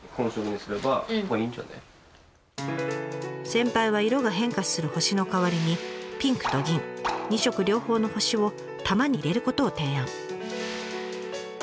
先輩は色が変化する星の代わりにピンクと銀２色両方の星を玉に入れることを提案。